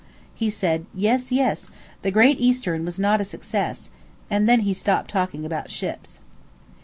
He said, "Yes, yes, the 'Great Eastern' was not a success," and then he stopped talking about ships.